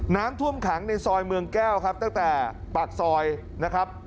น้ำท่วมขังในซอยเมืองแก้วครับตั้งแต่ปากซอยนะครับ